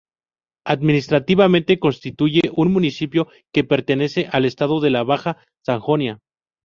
Administrativamente constituye un municipio, que pertenece al estado de la Baja Sajonia.